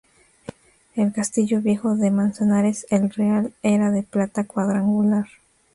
El castillo viejo de Manzanares el Real era de planta cuadrangular.